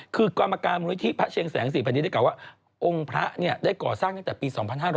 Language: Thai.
คือกรรมการบริษฐีพระเชียงแสงสี่ได้ก่อว่าองค์พระได้ก่อสร้างตั้งแต่ปี๒๕๔๗